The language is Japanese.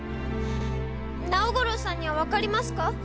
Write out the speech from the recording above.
尚五郎さんには分かりますか？